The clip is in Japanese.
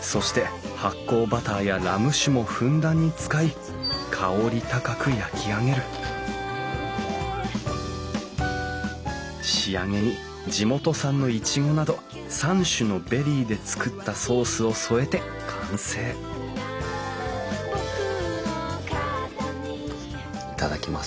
そして発酵バターやラム酒もふんだんに使い香り高く焼き上げる仕上げに地元産のイチゴなど３種のベリーで作ったソースを添えて完成頂きます。